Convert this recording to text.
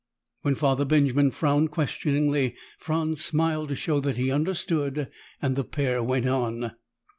When Father Benjamin frowned questioningly, Franz smiled to show that he understood and the pair went on.